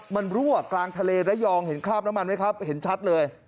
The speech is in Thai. มันรั่วกลางทะเลระยองเห็นคราบน้ำมันไหมครับเห็นชัดเลย